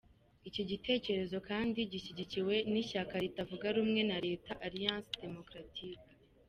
Iki gitekerezo kandi gishyigikiwe n’ishyaka ritavuga rumwe na Leta, Alliance Démocratique.